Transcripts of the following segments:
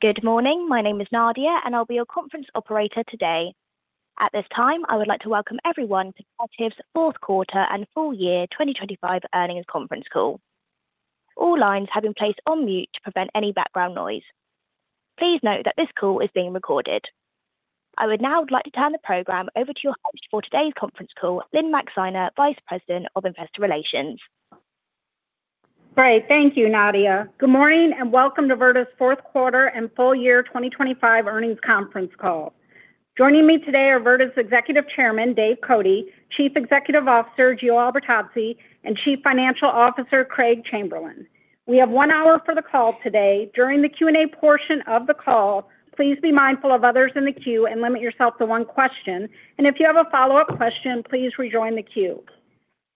Good morning. My name is Nadia, and I'll be your conference operator today. At this time, I would like to welcome everyone to Vertiv's fourth quarter and full year 2025 earnings conference call. All lines have been placed on mute to prevent any background noise. Please note that this call is being recorded. I would now like to turn the program over to your host for today's conference call, Lynne Maxeiner, Vice President of Investor Relations. Great. Thank you, Nadia. Good morning, and welcome to Vertiv's fourth quarter and full year 2025 earnings conference call. Joining me today are Vertiv's Executive Chairman, Dave Cote, Chief Executive Officer, Gio Albertazzi, and Chief Financial Officer, Craig Chamberlin. We have one hour for the call today. During the Q&A portion of the call, please be mindful of others in the queue and limit yourself to one question. If you have a follow-up question, please rejoin the queue.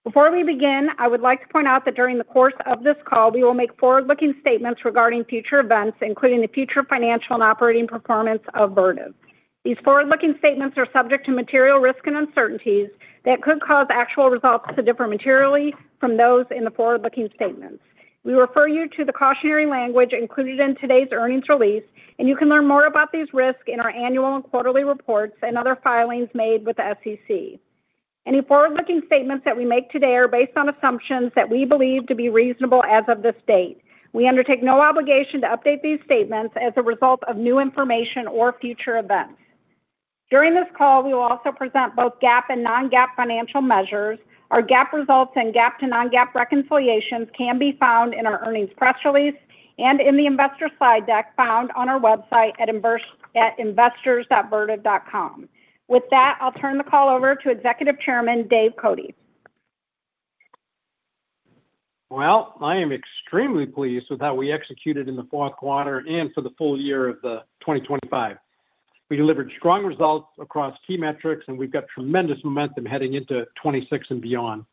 Before we begin, I would like to point out that during the course of this call, we will make forward-looking statements regarding future events, including the future financial and operating performance of Vertiv. These forward-looking statements are subject to material risks and uncertainties that could cause actual results to differ materially from those in the forward-looking statements. We refer you to the cautionary language included in today's earnings release, and you can learn more about these risks in our annual and quarterly reports and other filings made with the SEC. Any forward-looking statements that we make today are based on assumptions that we believe to be reasonable as of this date. We undertake no obligation to update these statements as a result of new information or future events. During this call, we will also present both GAAP and non-GAAP financial measures. Our GAAP results and GAAP to non-GAAP reconciliations can be found in our earnings press release and in the investor slide deck found on our website at investors.vertiv.com. With that, I'll turn the call over to Executive Chairman, Dave Cote. Well, I am extremely pleased with how we executed in the fourth quarter and for the full year of 2025. We delivered strong results across key metrics, and we've got tremendous momentum heading into 2026 and beyond.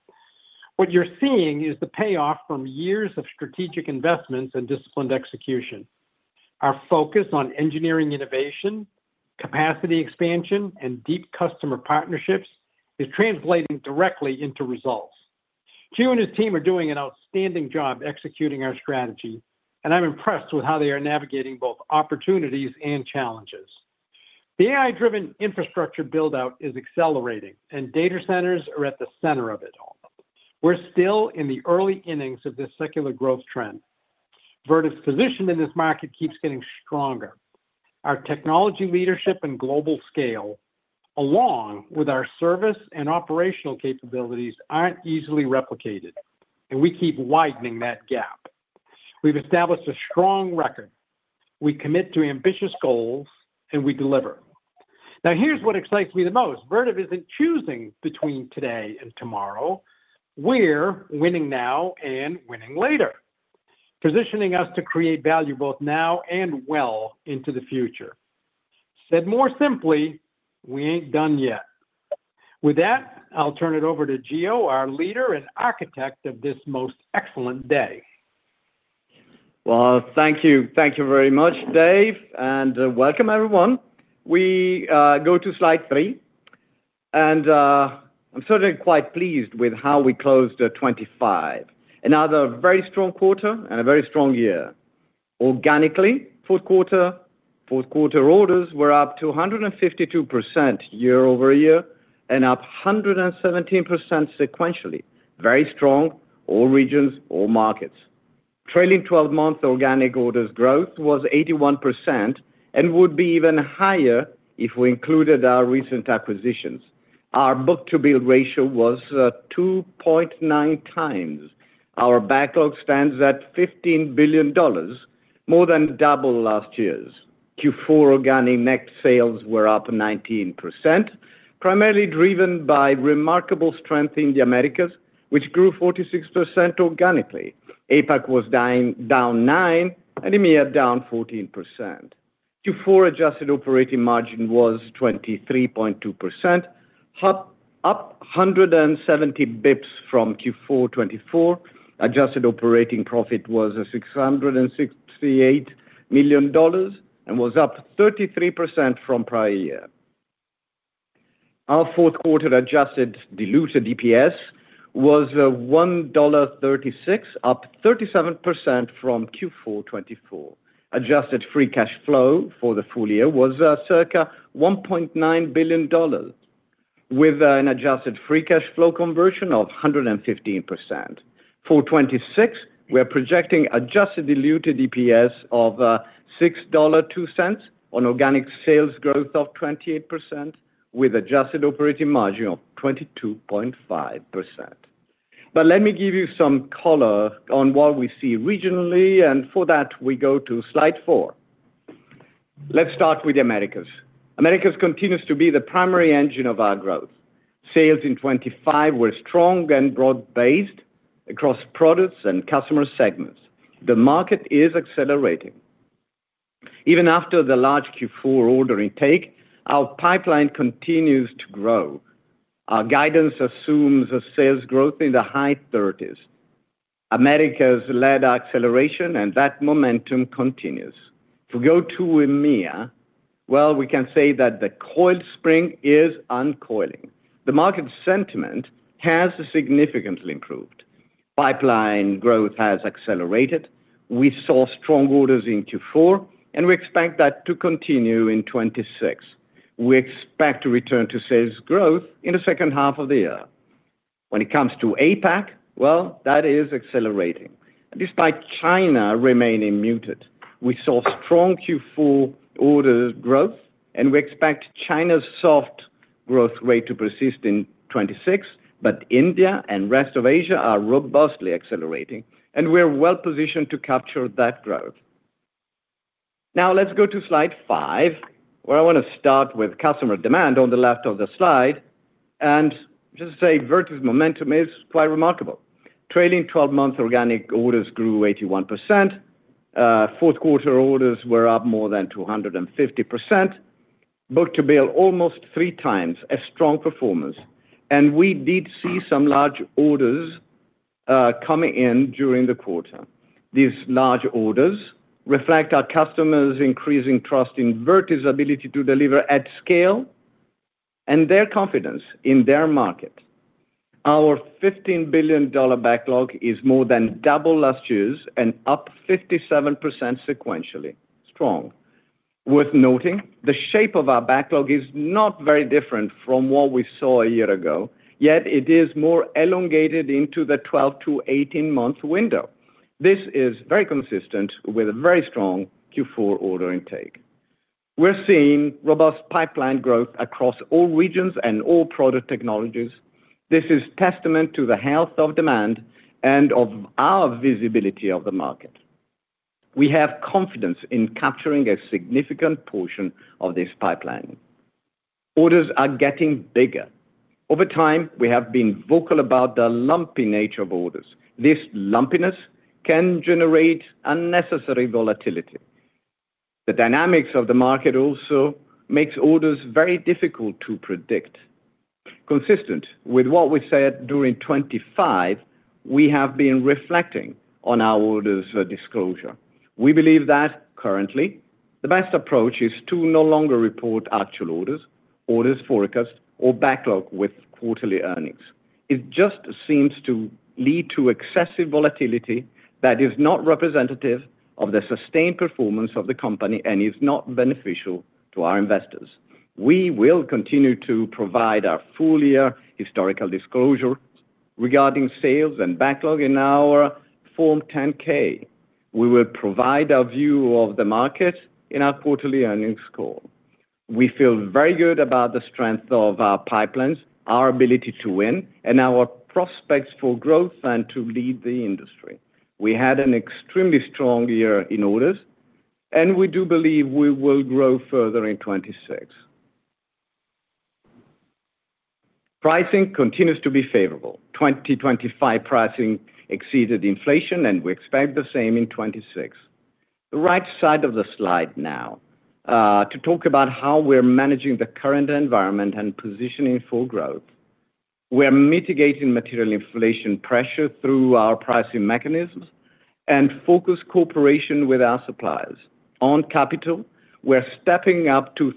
What you're seeing is the payoff from years of strategic investments and disciplined execution. Our focus on engineering innovation, capacity expansion, and deep customer partnerships is translating directly into results. Gio and his team are doing an outstanding job executing our strategy, and I'm impressed with how they are navigating both opportunities and challenges. The AI-driven infrastructure build-out is accelerating, and data centers are at the center of it all. We're still in the early innings of this secular growth trend. Vertiv's position in this market keeps getting stronger. Our technology leadership and global scale, along with our service and operational capabilities, aren't easily replicated, and we keep widening that gap. We've established a strong record. We commit to ambitious goals, and we deliver. Now, here's what excites me the most: Vertiv isn't choosing between today and tomorrow. We're winning now and winning later, positioning us to create value both now and well into the future. Said more simply, we ain't done yet. With that, I'll turn it over to Gio, our leader and architect of this most excellent day. Well, thank you. Thank you very much, Dave, and welcome, everyone. We go to Slide 3, and I'm certainly quite pleased with how we closed 2025. Another very strong quarter and a very strong year. Organically, fourth quarter orders were up 152% year over year and up 117% sequentially. Very strong, all regions, all markets. Trailing twelve-month organic orders growth was 81% and would be even higher if we included our recent acquisitions. Our book-to-bill ratio was 2.9 times. Our backlog stands at $15 billion, more than double last year's. Q4 organic net sales were up 19%, primarily driven by remarkable strength in the Americas, which grew 46% organically. APAC was down 9%, and EMEA down 14%. Q4 adjusted operating margin was 23.2%, up 170 basis points from Q4 2024. Adjusted operating profit was $668 million and was up 33% from prior year. Our fourth quarter adjusted diluted EPS was $1.36, up 37% from Q4 2024. Adjusted free cash flow for the full year was circa $1.9 billion, with an adjusted free cash flow conversion of 115%. For 2026, we are projecting adjusted diluted EPS of $6.02 on organic sales growth of 28%, with adjusted operating margin of 22.5%. But let me give you some color on what we see regionally, and for that, we go to Slide 4. Let's start with the Americas. Americas continues to be the primary engine of our growth. Sales in 2025 were strong and broad-based across products and customer segments. The market is accelerating. Even after the large Q4 order intake, our pipeline continues to grow. Our guidance assumes a sales growth in the high 30s%. Americas led acceleration, and that momentum continues. If we go to EMEA, well, we can say that the coiled spring is uncoiling. The market sentiment has significantly improved. Pipeline growth has accelerated. We saw strong orders in Q4, and we expect that to continue in 2026. We expect to return to sales growth in the second half of the year. When it comes to APAC, well, that is accelerating. Despite China remaining muted, we saw strong Q4 orders growth, and we expect China's soft growth rate to persist in 2026. But India and rest of Asia are robustly accelerating, and we're well positioned to capture that growth. Now, let's go to Slide 5, where I want to start with customer demand on the left of the Slide, and just to say Vertiv's momentum is quite remarkable. Trailing twelve-month organic orders grew 81%, fourth quarter orders were up more than 250%. Book-to-bill almost 3x, a strong performance, and we did see some large orders coming in during the quarter. These large orders reflect our customers' increasing trust in Vertiv's ability to deliver at scale and their confidence in their market. Our $15 billion backlog is more than double last year's and up 57% sequentially. Strong. Worth noting, the shape of our backlog is not very different from what we saw a year ago, yet it is more elongated into the 12- to 18-month window. This is very consistent with a very strong Q4 order intake. We're seeing robust pipeline growth across all regions and all product technologies. This is testament to the health of demand and of our visibility of the market. We have confidence in capturing a significant portion of this pipeline. Orders are getting bigger. Over time, we have been vocal about the lumpy nature of orders. This lumpiness can generate unnecessary volatility. The dynamics of the market also makes orders very difficult to predict. Consistent with what we said during 2025, we have been reflecting on our orders, disclosure. We believe that currently, the best approach is to no longer report actual orders, orders forecast, or backlog with quarterly earnings. It just seems to lead to excessive volatility that is not representative of the sustained performance of the company and is not beneficial to our investors. We will continue to provide our full-year historical disclosure regarding sales and backlog in our Form 10-K. We will provide our view of the market in our quarterly earnings call. We feel very good about the strength of our pipelines, our ability to win, and our prospects for growth and to lead the industry. We had an extremely strong year in orders, and we do believe we will grow further in 2026. Pricing continues to be favorable. 2025 pricing exceeded inflation, and we expect the same in 2026. The right side of the Slide now to talk about how we're managing the current environment and positioning for growth. We're mitigating material inflation pressure through our pricing mechanisms and focused cooperation with our suppliers. On capital, we're stepping up to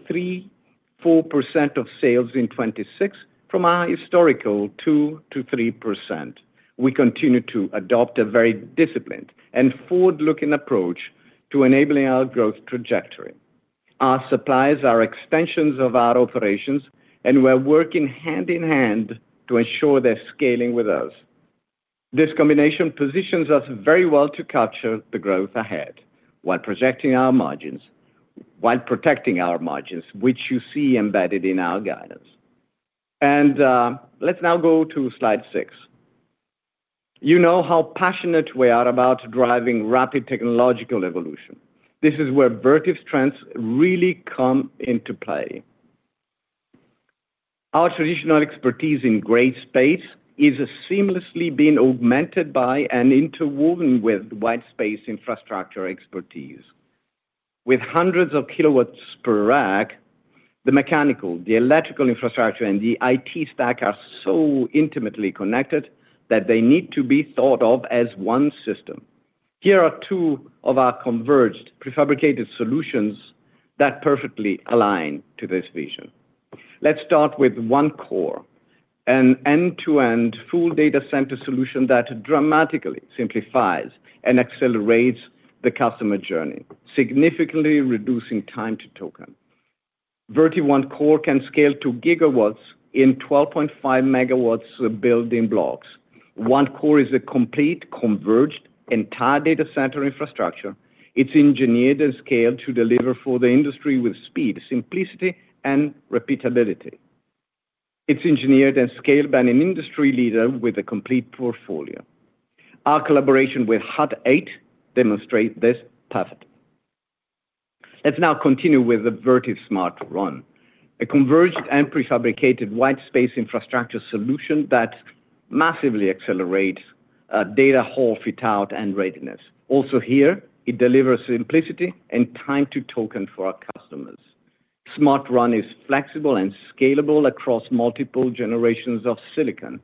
3-4% of sales in 2026 from our historical 2%-3%. We continue to adopt a very disciplined and forward-looking approach to enabling our growth trajectory. Our suppliers are extensions of our operations, and we're working hand in hand to ensure they're scaling with us. This combination positions us very well to capture the growth ahead while protecting our margins, which you see embedded in our guidance. Let's now go to Slide 6. You know how passionate we are about driving rapid technological evolution. This is where Vertiv's strengths really come into play. Our traditional expertise in gray space is seamlessly being augmented by and interwoven with white space infrastructure expertise. With hundreds of kilowatts per rack, the mechanical, the electrical infrastructure, and the IT stack are so intimately connected that they need to be thought of as one system. Here are two of our converged prefabricated solutions that perfectly align to this vision. Let's start with OneCore, an end-to-end full data center solution that dramatically simplifies and accelerates the customer journey, significantly reducing time to token. Vertiv OneCore can scale to gigawatts in 12.5 megawatts building blocks. OneCore is a complete, converged, entire data center infrastructure. It's engineered and scaled to deliver for the industry with speed, simplicity, and repeatability. It's engineered and scaled by an industry leader with a complete portfolio. Our collaboration with Hut 8 demonstrates this perfectly. Let's now continue with the Vertiv SmartRow, a converged and prefabricated white space infrastructure solution that massively accelerates data hall fit out and readiness. Also here, it delivers simplicity and time to token for our customers. SmartRow is flexible and scalable across multiple generations of silicon.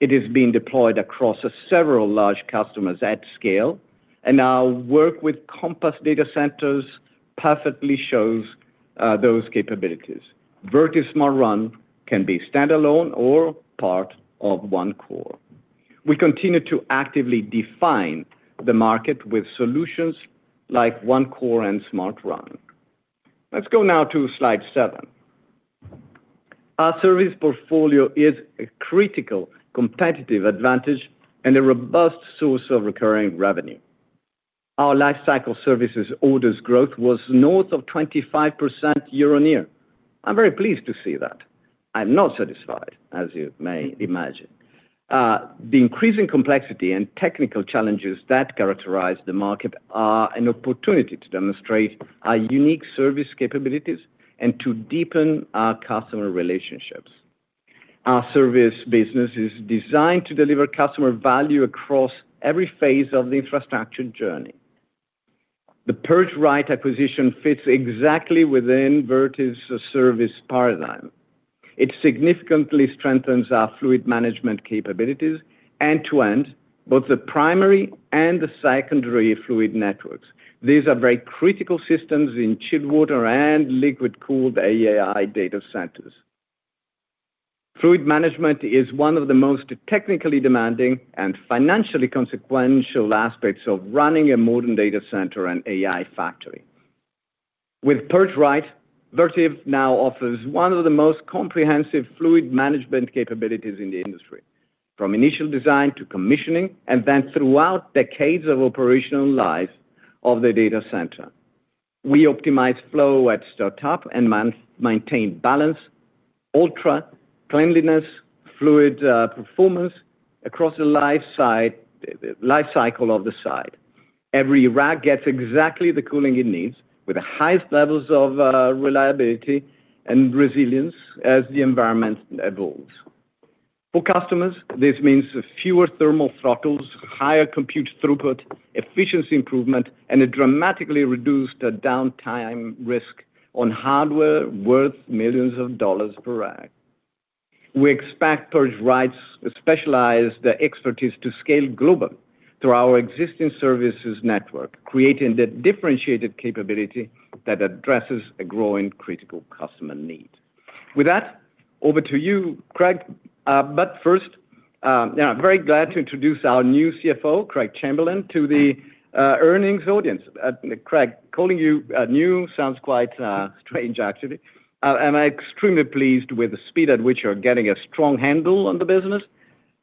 It is being deployed across several large customers at scale and now work with Compass Datacenters perfectly shows those capabilities. Vertiv SmartRow can be standalone or part of OneCore. We continue to actively define the market with solutions like OneCore and SmartRow. Let's go now to Slide 7. Our service portfolio is a critical competitive advantage and a robust source of recurring revenue. Our lifecycle services orders growth was north of 25% year-on-year. I'm very pleased to see that. I'm not satisfied, as you may imagine. The increasing complexity and technical challenges that characterize the market are an opportunity to demonstrate our unique service capabilities and to deepen our customer relationships. Our service business is designed to deliver customer value across every phase of the infrastructure journey. The PurgeRite acquisition fits exactly within Vertiv's service paradigm. It significantly strengthens our fluid management capabilities, end-to-end, both the primary and the secondary fluid networks. These are very critical systems in chilled water and liquid-cooled AI data centers. Fluid management is one of the most technically demanding and financially consequential aspects of running a modern data center and AI factory. With PurgeRite, Vertiv now offers one of the most comprehensive fluid management capabilities in the industry, from initial design to commissioning, and then throughout decades of operational life of the data center. We optimize flow at the top and maintain balance, ultra-cleanliness, fluid performance across the lifecycle of the site. Every rack gets exactly the cooling it needs, with the highest levels of reliability and resilience as the environment evolves. For customers, this means fewer thermal throttles, higher compute throughput, efficiency improvement, and a dramatically reduced downtime risk on hardware worth millions of dollars per rack. We expect PurgeRite's specialized expertise to scale globally through our existing services network, creating a differentiated capability that addresses a growing critical customer need. With that, over to you, Craig. But first, yeah, I'm very glad to introduce our new CFO, Craig Chamberlin, to the earnings audience. Craig, calling you new sounds quite strange, actually. I'm extremely pleased with the speed at which you're getting a strong handle on the business.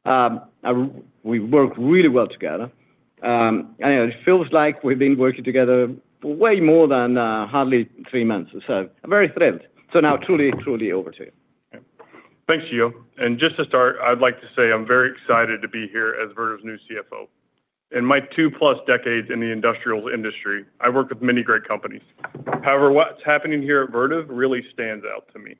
We work really well together. It feels like we've been working together for way more than hardly three months, so I'm very thrilled. Now, truly, truly over to you. Thanks, Gio. Just to start, I'd like to say I'm very excited to be here as Vertiv's new CFO. In my 2+ decades in the industrial industry, I've worked with many great companies. However, what's happening here at Vertiv really stands out to me.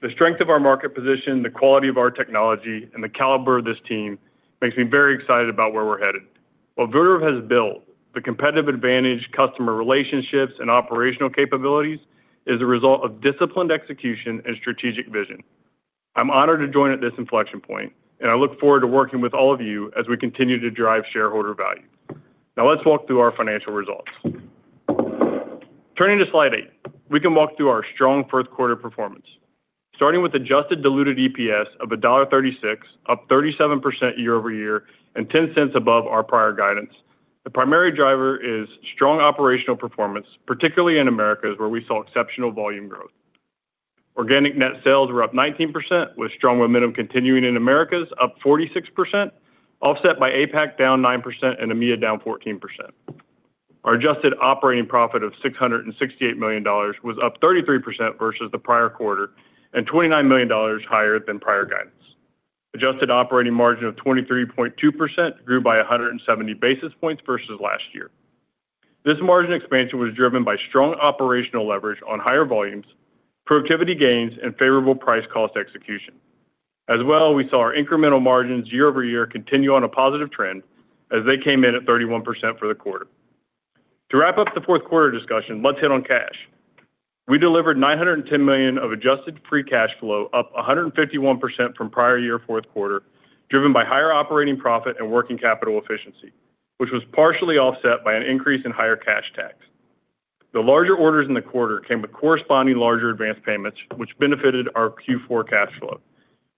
The strength of our market position, the quality of our technology, and the caliber of this team makes me very excited about where we're headed. What Vertiv has built, the competitive advantage, customer relationships, and operational capabilities, is a result of disciplined execution and strategic vision. I'm honored to join at this inflection point, and I look forward to working with all of you as we continue to drive shareholder value. Now, let's walk through our financial results. Turning to Slide 8, we can walk through our strong fourth quarter performance. Starting with adjusted diluted EPS of $1.36, up 37% year-over-year, and $0.10 above our prior guidance. The primary driver is strong operational performance, particularly in Americas, where we saw exceptional volume growth. Organic net sales were up 19%, with strong momentum continuing in Americas, up 46%, offset by APAC down 9% and EMEA down 14%. Our adjusted operating profit of $668 million was up 33% versus the prior quarter and $29 million higher than prior guidance. Adjusted operating margin of 23.2% grew by 170 basis points versus last year. This margin expansion was driven by strong operational leverage on higher volumes, productivity gains, and favorable price cost execution. As well, we saw our incremental margins year-over-year continue on a positive trend, as they came in at 31% for the quarter. To wrap up the fourth quarter discussion, let's hit on cash. We delivered $910 million of adjusted free cash flow, up 151% from prior year fourth quarter, driven by higher operating profit and working capital efficiency, which was partially offset by an increase in higher cash tax. The larger orders in the quarter came with corresponding larger advanced payments, which benefited our Q4 cash flow.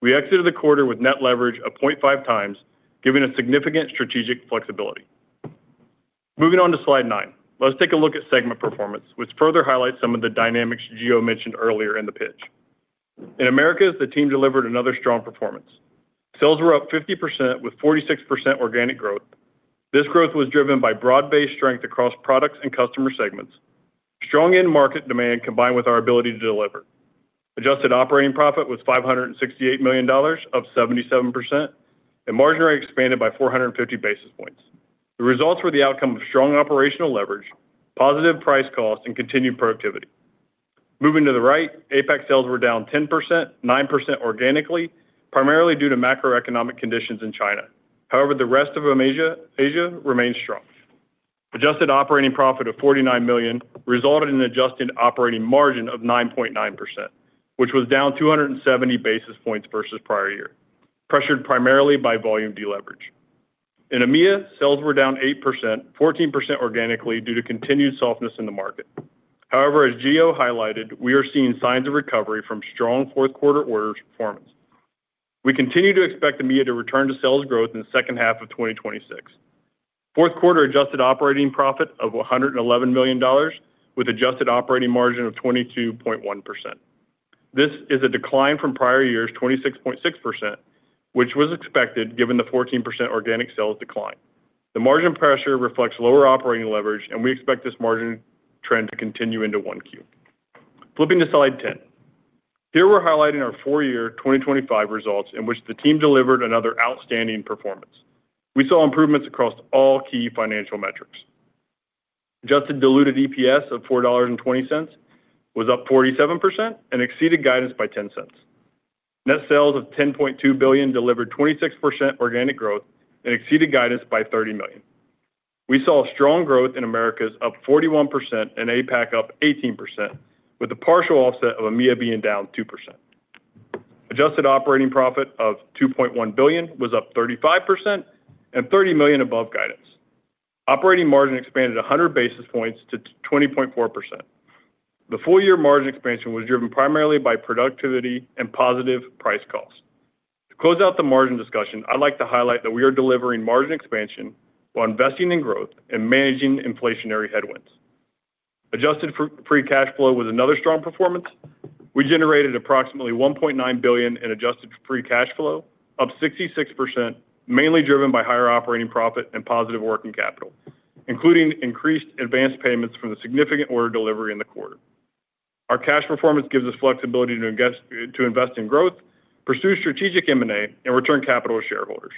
We exited the quarter with net leverage of 0.5x, giving us significant strategic flexibility. Moving on to Slide 9. Let's take a look at segment performance, which further highlights some of the dynamics Gio mentioned earlier in the pitch. In Americas, the team delivered another strong performance. Sales were up 50%, with 46% organic growth. This growth was driven by broad-based strength across products and customer segments, strong end-market demand, combined with our ability to deliver. Adjusted operating profit was $568 million, up 77%, and margin rate expanded by 450 basis points. The results were the outcome of strong operational leverage, positive price cost, and continued productivity. Moving to the right, APAC sales were down 10%, 9% organically, primarily due to macroeconomic conditions in China. However, the rest of APAC remains strong. Adjusted operating profit of $49 million resulted in an adjusted operating margin of 9.9%, which was down 270 basis points versus prior year, pressured primarily by volume deleverage. In EMEA, sales were down 8%, 14% organically due to continued softness in the market. However, as Gio highlighted, we are seeing signs of recovery from strong fourth quarter orders performance. We continue to expect EMEA to return to sales growth in the second half of 2026. Fourth quarter adjusted operating profit of $111 million, with adjusted operating margin of 22.1%. This is a decline from prior year's 26.6%, which was expected, given the 14% organic sales decline. The margin pressure reflects lower operating leverage, and we expect this margin trend to continue into 1Q. Flipping to Slide 10. Here, we're highlighting our full year 2025 results, in which the team delivered another outstanding performance. We saw improvements across all key financial metrics. Adjusted diluted EPS of $4.20 was up 47% and exceeded guidance by $0.10. Net sales of $10.2 billion delivered 26% organic growth and exceeded guidance by $30 million. We saw a strong growth in Americas, up 41%, and APAC up 18%, with a partial offset of EMEA being down 2%. Adjusted operating profit of $2.1 billion was up 35% and $30 million above guidance. Operating margin expanded 100 basis points to 20.4%. The full year margin expansion was driven primarily by productivity and positive price cost. To close out the margin discussion, I'd like to highlight that we are delivering margin expansion while investing in growth and managing inflationary headwinds. Adjusted free cash flow was another strong performance. We generated approximately $1.9 billion in adjusted free cash flow, up 66%, mainly driven by higher operating profit and positive working capital, including increased advanced payments from the significant order delivery in the quarter. Our cash performance gives us flexibility to invest, to invest in growth, pursue strategic M&A, and return capital to shareholders.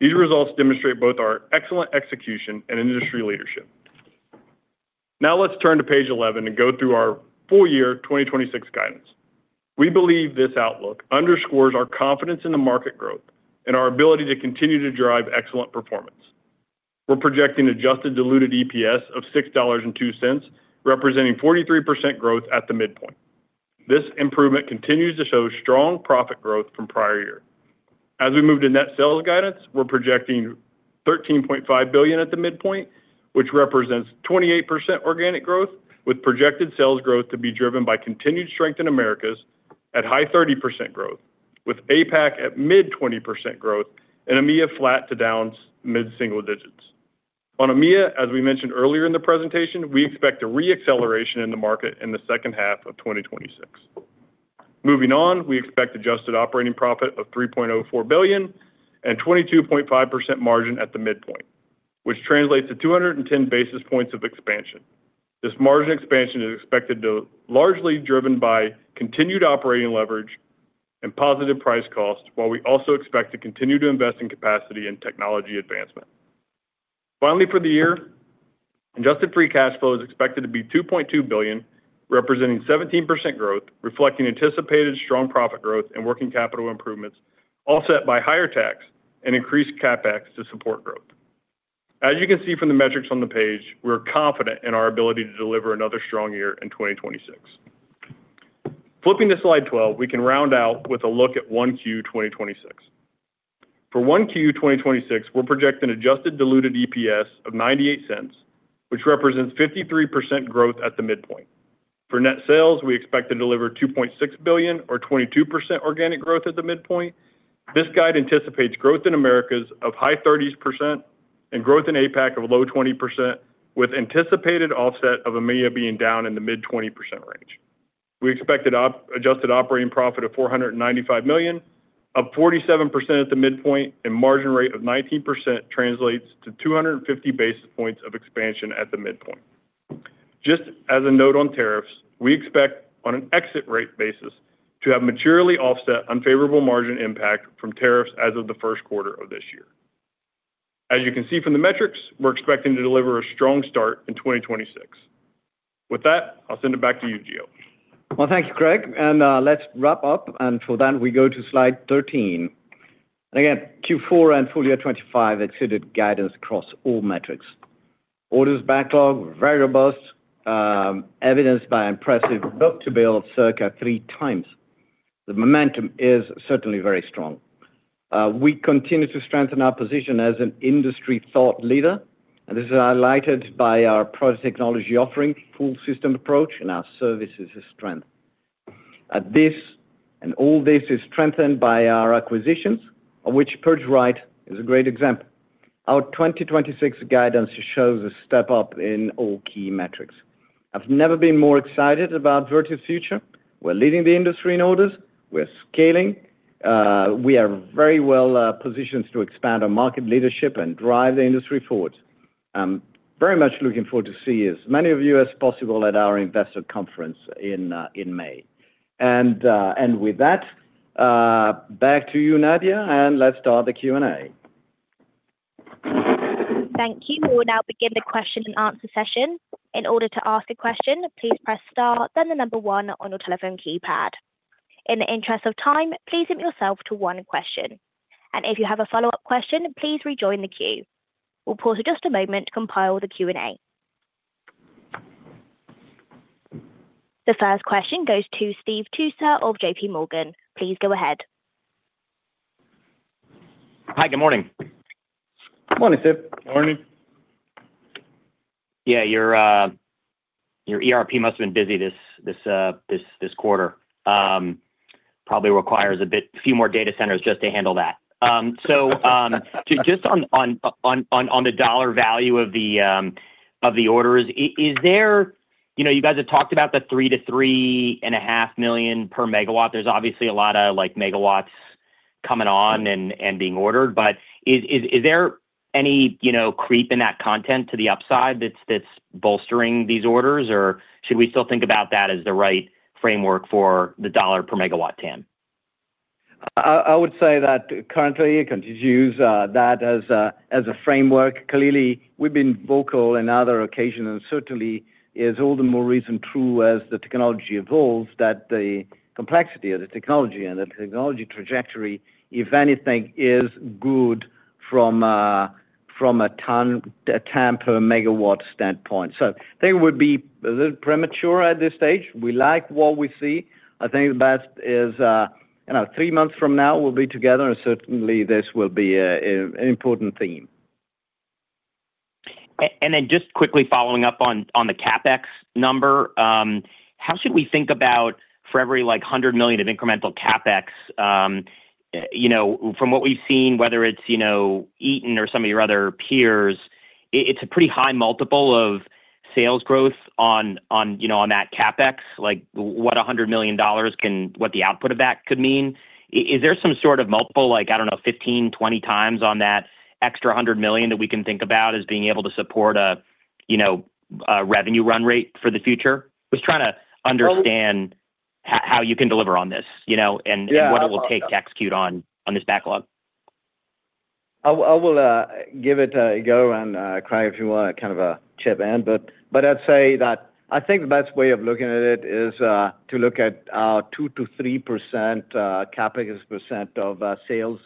These results demonstrate both our excellent execution and industry leadership. Now, let's turn to page 11 and go through our full year 2026 guidance. We believe this outlook underscores our confidence in the market growth and our ability to continue to drive excellent performance. We're projecting adjusted diluted EPS of $6.02, representing 43% growth at the midpoint. This improvement continues to show strong profit growth from prior year. As we move to net sales guidance, we're projecting $13.5 billion at the midpoint, which represents 28% organic growth, with projected sales growth to be driven by continued strength in Americas at high 30% growth, with APAC at mid-20% growth and EMEA flat to down mid-single digits. On EMEA, as we mentioned earlier in the presentation, we expect a re-acceleration in the market in the second half of 2026. Moving on, we expect adjusted operating profit of $3.04 billion and 22.5% margin at the midpoint, which translates to 210 basis points of expansion. This margin expansion is expected to largely driven by continued operating leverage and positive price cost, while we also expect to continue to invest in capacity and technology advancement. Finally, for the year, adjusted free cash flow is expected to be $2.2 billion, representing 17% growth, reflecting anticipated strong profit growth and working capital improvements, offset by higher tax and increased CapEx to support growth. As you can see from the metrics on the page, we're confident in our ability to deliver another strong year in 2026. Flipping to Slide 12, we can round out with a look at 1Q 2026. For 1Q 2026, we're projecting adjusted diluted EPS of $0.98, which represents 53% growth at the midpoint. For net sales, we expect to deliver $2.6 billion or 22% organic growth at the midpoint. This guide anticipates growth in Americas of high 30s% and growth in APAC of low 20s%, with anticipated offset of EMEA being down in the mid-20s% range. We expect an adjusted operating profit of $495 million, up 47% at the midpoint, and margin rate of 19% translates to 250 basis points of expansion at the midpoint. Just as a note on tariffs, we expect on an exit rate basis to have materially offset unfavorable margin impact from tariffs as of the first quarter of this year. As you can see from the metrics, we're expecting to deliver a strong start in 2026. With that, I'll send it back to you, Gio. Well, thank you, Craig, and, let's wrap up, and for that, we go to Slide 13. Again, Q4 and full year 2025 exceeded guidance across all metrics. Orders backlog, very robust, evidenced by impressive book-to-bill, circa 3x. The momentum is certainly very strong. We continue to strengthen our position as an industry thought leader, and this is highlighted by our product technology offering, full system approach, and our services strength. At this, and all this is strengthened by our acquisitions, of which PurgeRite is a great example. Our 2026 guidance shows a step up in all key metrics. I've never been more excited about Vertiv's future. We're leading the industry in orders. We're scaling. We are very well, positioned to expand our market leadership and drive the industry forward. I'm very much looking forward to see as many of you as possible at our investor conference in, in May. And, and with that, back to you, Nadia, and let's start the Q&A. Thank you. We'll now begin the question and answer session. In order to ask a question, please press star, then the number one on your telephone keypad. In the interest of time, please limit yourself to one question, and if you have a follow-up question, please rejoin the queue. We'll pause for just a moment to compile the Q&A. The first question goes to Steve Tusa of JP Morgan. Please go ahead. Hi, good morning. Good morning, Steve. Morning. Yeah, your ERP must have been busy this quarter. Probably requires a few more data centers just to handle that. So, just on the dollar value of the orders, is there— You know, you guys have talked about the $3 million-$3.5 million per megawatt. There's obviously a lot of, like, megawatts coming on and being ordered. But is there any, you know, creep in that content to the upside that's bolstering these orders? Or should we still think about that as the right framework for the dollar per megawatt, Tim? I would say that currently you can just use that as a framework. Clearly, we've been vocal in other occasions, and certainly is all the more reason true as the technology evolves, that the complexity of the technology and the technology trajectory, if anything, is good from a ton per megawatt standpoint. So they would be a little premature at this stage. We like what we see. I think the best is, you know, three months from now, we'll be together, and certainly, this will be an important theme. And then just quickly following up on the CapEx number. How should we think about for every, like, $100 million of incremental CapEx? You know, from what we've seen, whether it's, you know, Eaton or some of your other peers, it's a pretty high multiple of sales growth on, you know, on that CapEx, like, what a $100 million can - what the output of that could mean. Is there some sort of multiple like, I don't know, 15, 20 times on that extra $100 million that we can think about as being able to support a, you know, a revenue run rate for the future? Just trying to understand how you can deliver on this, you know and what it will take to execute on, on this backlog. I will give it a go and, Craig, if you want kind of a chip in, but I'd say that I think the best way of looking at it is to look at 2%-3% CapEx percent of sales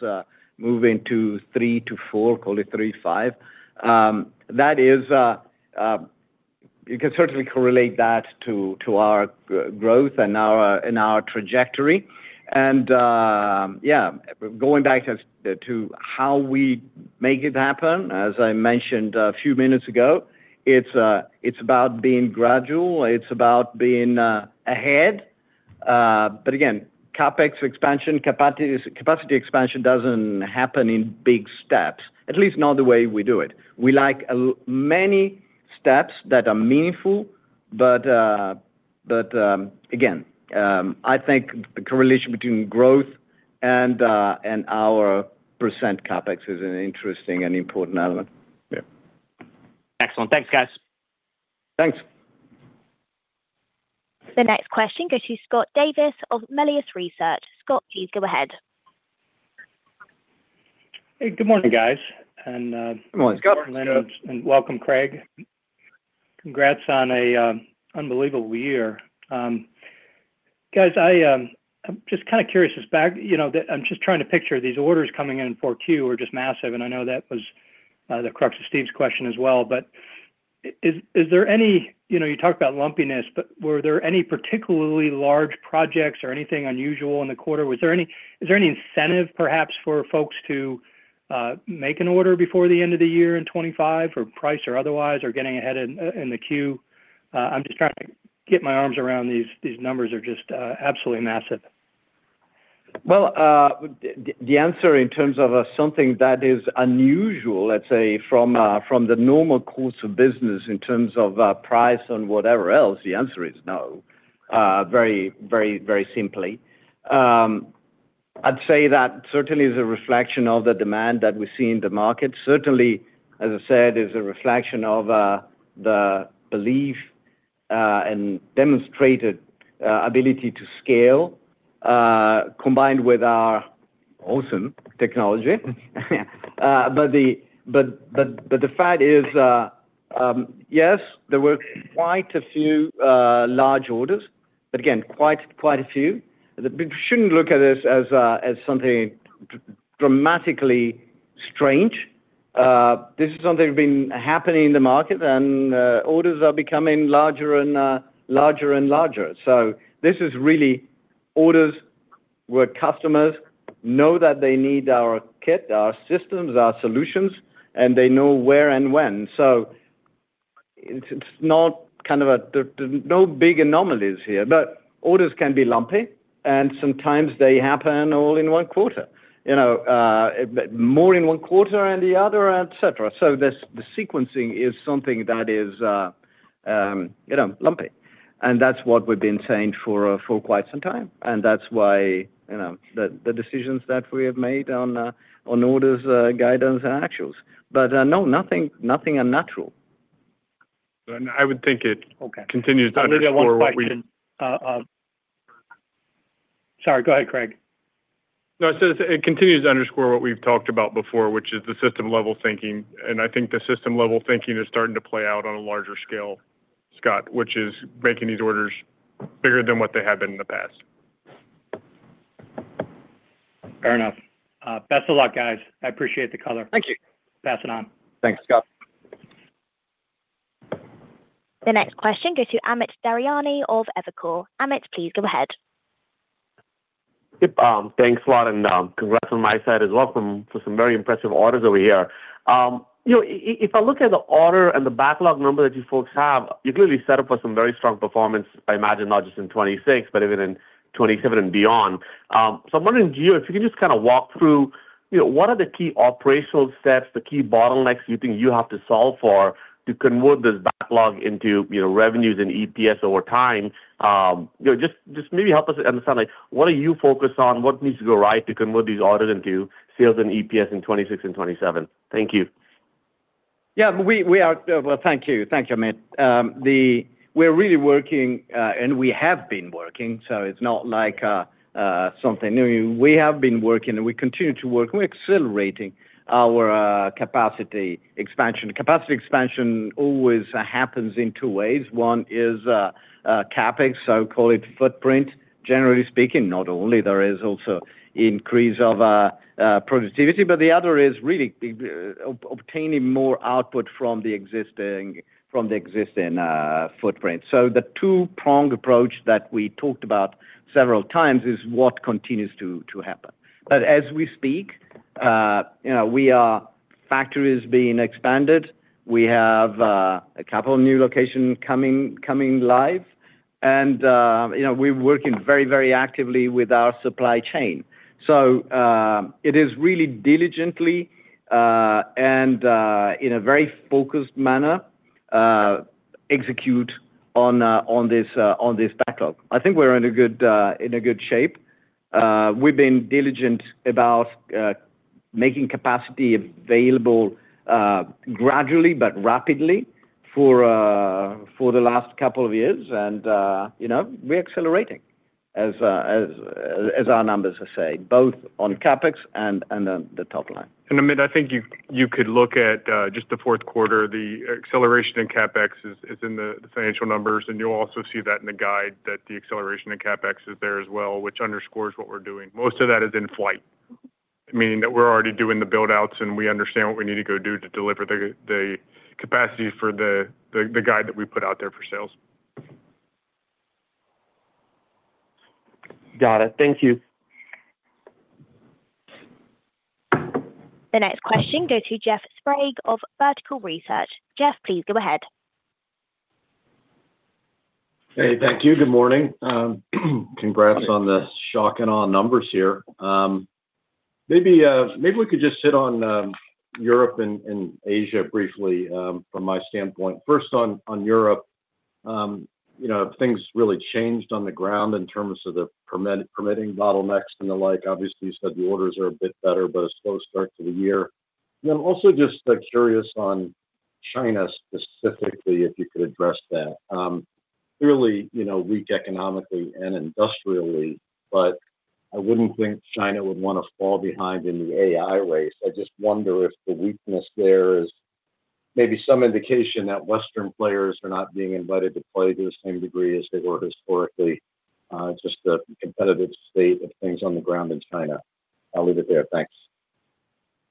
moving to 3%-4%, call it 3.5%. That is, you can certainly correlate that to our growth and our trajectory. And yeah, going back to how we make it happen, as I mentioned a few minutes ago, it's about being gradual, it's about being ahead. But again, CapEx expansion, capacity expansion doesn't happen in big steps, at least not the way we do it. We like many steps that are meaningful, but, but, again, I think correlation between growth and our percent CapEx is an interesting and important element. Yeah. Excellent. Thanks, guys. Thanks. The next question goes to Scott Davis of Melius Research. Scott, please go ahead. Hey, good morning, guys, and, Good morning, Scott. Good morning, Lynne, and welcome, Craig. Congrats on a unbelievable year. Guys, I'm just kind of curious. You know, I'm just trying to picture these orders coming in in Q4 are just massive, and I know that was the crux of Steve's question as well. But is there any-- You know, you talked about lumpiness, but were there any particularly large projects or anything unusual in the quarter? Was there any-- Is there any incentive, perhaps, for folks to make an order before the end of the year in 2025, or price or otherwise, or getting ahead in the queue? I'm just trying to get my arms around these; these numbers are just absolutely massive. Well, the answer in terms of something that is unusual, let's say from the normal course of business in terms of price and whatever else, the answer is no, very, very, very simply. I'd say that certainly is a reflection of the demand that we see in the market. Certainly, as I said, is a reflection of the belief and demonstrated ability to scale combined with our awesome technology. But the fact is, yes, there were quite a few large orders, but again, quite a few. We shouldn't look at this as something dramatically strange. This is something been happening in the market, and orders are becoming larger and larger and larger. So this is really orders where customers know that they need our kit, our systems, our solutions, and they know where and when. So it's, it's not kind of a—there's no big anomalies here, but orders can be lumpy, and sometimes they happen all in one quarter. You know, more in one quarter and the other, et cetera. So the sequencing is something that is, you know, lumpy, and that's what we've been saying for, for quite some time. And that's why, you know, the decisions that we have made on, on orders, guidance and actuals. But, no, nothing, nothing unnatural. And I would think it continues to underscore what we- I need one question. Sorry, go ahead, Craig. No, I said it continues to underscore what we've talked about before, which is the system-level thinking. And I think the system-level thinking is starting to play out on a larger scale, Scott, which is making these orders bigger than what they have been in the past... Fair enough. Best of luck, guys. I appreciate the color. Thank you. Pass it on. Thanks, Scott. The next question goes to Amit Daryanani of Evercore. Amit, please go ahead. Yep, thanks a lot, and, congrats on my side as well for some very impressive orders over here. You know, if I look at the order and the backlog number that you folks have, you're clearly set up for some very strong performance, I imagine not just in 2026, but even in 2027 and beyond. So I'm wondering, Gio, if you can just kinda walk through, you know, what are the key operational steps, the key bottlenecks you think you have to solve for to convert this backlog into, you know, revenues and EPS over time? You know, just maybe help us understand, like, what are you focused on? What needs to go right to convert these orders into sales and EPS in 2026 and 2027? Thank you. Yeah, well, thank you. Thank you, Amit. The-- we're really working, and we have been working, so it's not like, something new. We have been working, and we continue to work, and we're accelerating our capacity expansion. Capacity expansion always happens in two ways. One is, CapEx, so call it footprint. Generally speaking, not only there is also increase of, productivity, but the other is really, obtaining more output from the existing, footprint. So the two-prong approach that we talked about several times is what continues to happen. But as we speak, you know, we are factories being expanded. We have, a couple of new locations coming live, and, you know, we're working very, very actively with our supply chain. So, it is really diligently and in a very focused manner execute on this backlog. I think we're in a good shape. We've been diligent about making capacity available gradually, but rapidly for the last couple of years, and you know, we're accelerating as our numbers are saying, both on CapEx and the top line. Amit, I think you could look at just the fourth quarter. The acceleration in CapEx is in the financial numbers, and you'll also see that in the guide, that the acceleration in CapEx is there as well, which underscores what we're doing. Most of that is in flight, meaning that we're already doing the build-outs, and we understand what we need to go do to deliver the capacity for the guide that we put out there for sales. Got it. Thank you. The next question goes to Jeff Sprague of Vertical Research. Jeff, please go ahead. Hey, thank you. Good morning. Congrats on the shocking odd numbers here. Maybe, maybe we could just hit on Europe and Asia briefly, from my standpoint. First on Europe, you know, have things really changed on the ground in terms of the permitting bottlenecks and the like? Obviously, you said the orders are a bit better, but a slow start to the year. And I'm also just curious on China specifically, if you could address that. Clearly, you know, weak economically and industrially, but I wouldn't think China would want to fall behind in the AI race. I just wonder if the weakness there is maybe some indication that Western players are not being invited to play to the same degree as they were historically, just the competitive state of things on the ground in China. I'll leave it there. Thanks.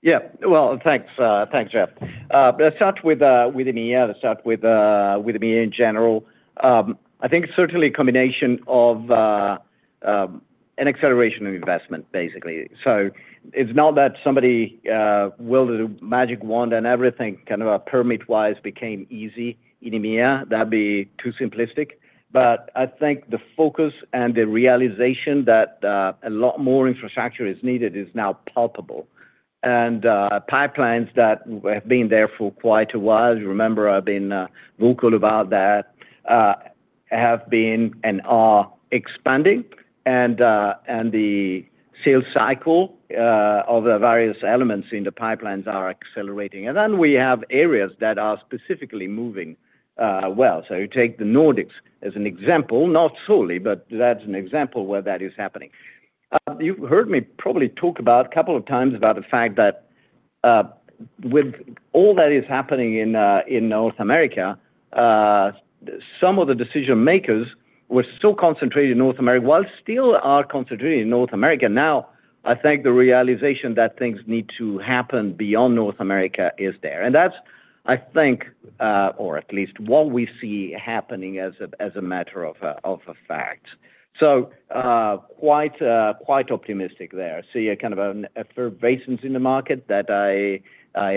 Yeah. Well, thanks, thanks, Jeff. Let's start with, with EMEA. Let's start with, with EMEA in general. I think certainly a combination of, an acceleration of investment, basically. So it's not that somebody, wielded a magic wand and everything kind of permit-wise became easy in EMEA. That'd be too simplistic, but I think the focus and the realization that, a lot more infrastructure is needed is now palpable. And, pipelines that have been there for quite a while, you remember I've been, vocal about that, have been and are expanding, and, and the sales cycle, of the various elements in the pipelines are accelerating. And then we have areas that are specifically moving, well. So you take the Nordics as an example, not solely, but that's an example where that is happening. You've heard me probably talk about a couple of times about the fact that, with all that is happening in North America, some of the decision-makers were still concentrated in North America, while still are concentrated in North America. Now, I think the realization that things need to happen beyond North America is there, and that's, I think, or at least what we see happening as a matter of fact. So, quite optimistic there. See a kind of an effervescence in the market that I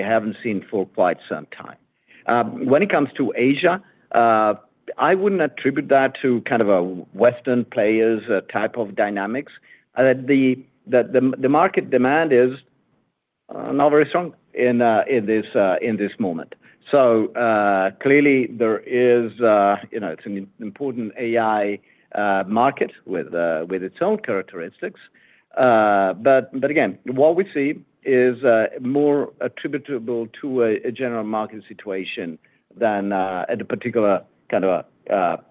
haven't seen for quite some time. When it comes to Asia, I wouldn't attribute that to kind of a Western players type of dynamics. The market demand is not very strong in this moment. So, clearly there is, you know, it's an important AI market with its own characteristics. But again, what we see is more attributable to a general market situation than a particular kind of a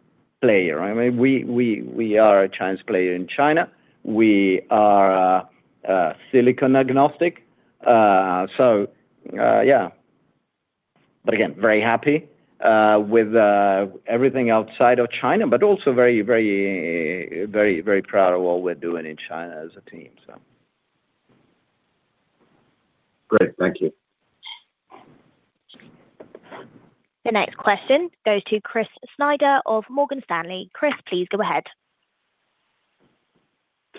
player. I mean, we are a Chinese player in China. We are silicon-agnostic, so yeah. But again, very happy with everything outside of China, but also very, very, very, very proud of what we're doing in China as a team, so. Great. Thank you. The next question goes to Chris Snyder of Morgan Stanley. Chris, please go ahead.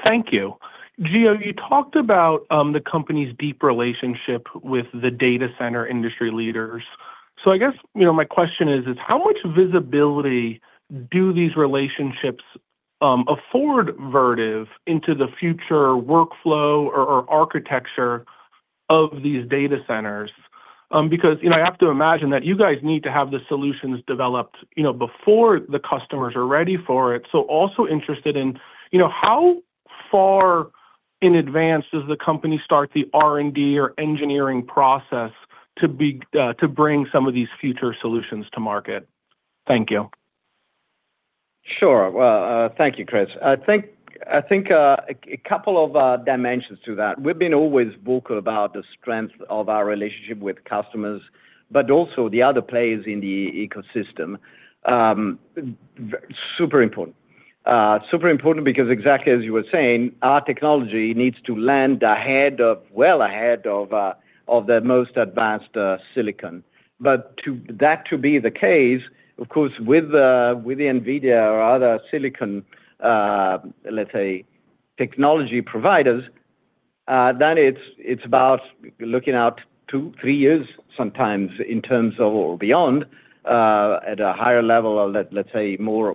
Thank you. Gio, you talked about the company's deep relationship with the data center industry leaders. So I guess, you know, my question is, is how much visibility do these relationships afford Vertiv into the future workflow or architecture of these data centers? Because, you know, I have to imagine that you guys need to have the solutions developed, you know, before the customers are ready for it. So also interested in, you know, how far in advance does the company start the R&D or engineering process to bring some of these future solutions to market? Thank you. Sure. Well, thank you, Chris. I think a couple of dimensions to that. We've been always vocal about the strength of our relationship with customers, but also the other players in the ecosystem. Super important. Super important because exactly as you were saying, our technology needs to land ahead of... well ahead of the most advanced silicon. But that to be the case, of course, with NVIDIA or other silicon, let's say technology providers, then it's about looking out two, three years, sometimes in terms of or beyond, at a higher level of, let's say more